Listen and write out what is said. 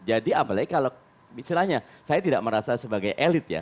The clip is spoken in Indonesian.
jadi apalagi kalau misalnya saya tidak merasa sebagai elit ya